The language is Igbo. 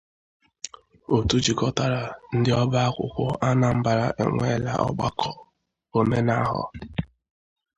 Otu Jikọtara Ndị Ọba Akwụkwọ Anambra Enweela Ọgbakọ Omenahọ